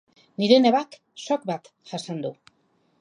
Nire nebak shock bat jasan du.